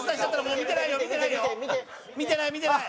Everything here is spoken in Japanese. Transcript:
見てない、見てない！